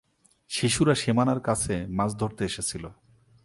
শিশুরা সীমানার কাছে মাছ ধরতে এসেছিল।